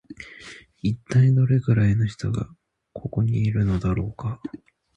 一体どれくらいの人がここのいるのだろうか